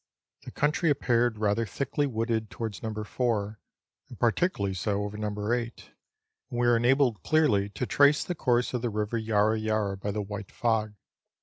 The country appeared rather thickly wooded towards No. 4, and particularly so over No. 8 ; and we were enabled clearly to trace the course of the River Yarra Yarra by the white fog.